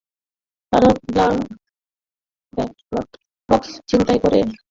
তাঁরা ব্যালট বাক্স ছিনতাই করে ব্যালট পেপার ছিঁড়ে পানিতে ভাসিয়ে দেন।